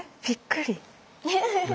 びっくり？